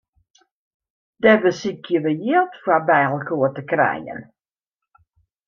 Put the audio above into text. Dêr besykje we jild foar byinoar te krijen.